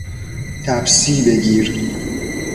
تپسی بگیر